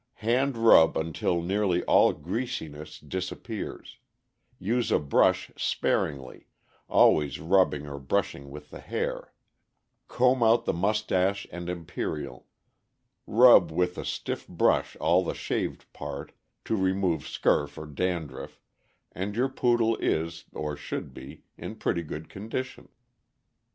Hand rub until nearly all greasiness disappears; use a brush sparingly, always rub bing or brushing with the hair; comb out the mustache and imperial; rub with a stiff brush all the shaved part, to remove scurf or dandruff, and your Poodle is, or should be, in pretty good condition.